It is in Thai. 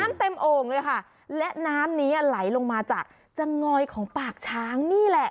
เต็มโอ่งเลยค่ะและน้ำนี้ไหลลงมาจากจะงอยของปากช้างนี่แหละ